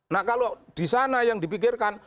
nah kalau di sana yang dipikirkan